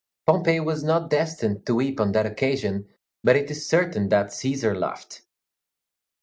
Pompey was not destined to weep on that occasion, but it is certain that Cæsar laughed.